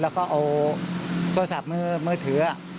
แล้วก็เอาโทรศัพท์มือถือ